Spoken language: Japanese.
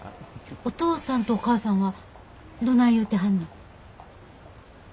お父さんとお母さんはどない言うてはんの？